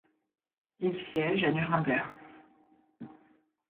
Il siège à Nüremberg.